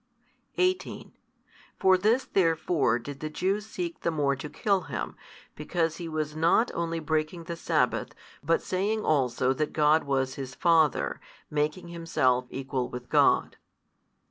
18 For this therefore did the Jews seek the more to kill Him, because He was not only breaking the sabbath, but saying also that God was His Father, making Himself Equal with God.